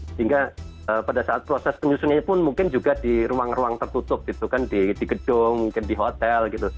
sehingga pada saat proses penyusunannya pun mungkin juga di ruang ruang tertutup gitu kan di gedung mungkin di hotel gitu